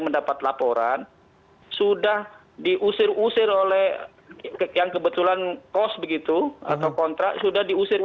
mendapat laporan sudah diusir usir oleh yang kebetulan kos begitu atau kontrak sudah diusir